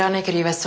そう！